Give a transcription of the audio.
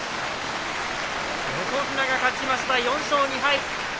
横綱が勝ちました、４勝２敗。